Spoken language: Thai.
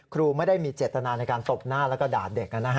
ครูไม่ได้มีเจตนาในการตบหน้าแล้วก็ด่าเด็ก